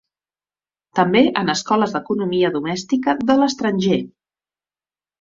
També en escoles d'economia domèstica de l'estranger.